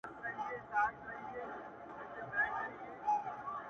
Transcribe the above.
• لکه باران را اورېدلې پاتېدلې به نه ,